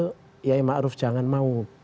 kiai ma'ruf jangan mau